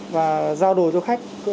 và giao đồ cho khách